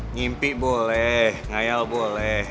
ngimpi boleh ngayal boleh